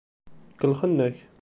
Kellxen-ak.